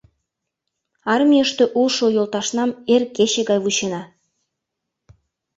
Армийыште улшо йолташнам эр кече гай вучена.